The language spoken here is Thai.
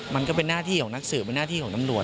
มันก็เป็นหน้าที่ของนักสืบเป็นหน้าที่ของตำรวจ